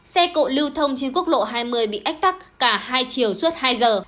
xe cộ lưu thông trên quốc lộ hai mươi bị ách tắc cả hai chiều suốt hai giờ